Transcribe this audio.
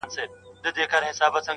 ويل کېدل چي دې کور ته.